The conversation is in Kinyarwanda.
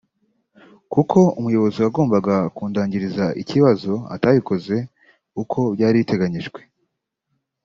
kuko Umuyobozi wagombaga kundangiriza ikibazo atabikoze uko byari biteganyijwe